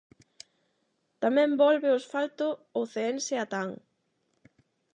Tamén volve ao asfalto o ceense Atán.